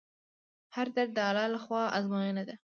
هر درد د الله له خوا ازموینه ده.